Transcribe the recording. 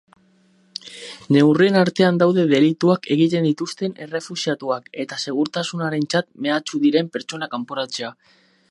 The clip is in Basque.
Neurrien artean daude delituak egiten dituzten errefuxiatuak eta segurtasunarentzat mehatxu diren pertsonak kanporatzea.